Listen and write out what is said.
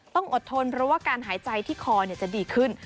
ต้องอดทนเพราะว่าการหายใจที่คอจะดีขึ้น